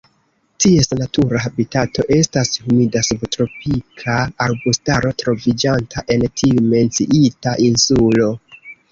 Ties natura habitato estas humida subtropika arbustaro troviĝanta en tiu menciita insulo.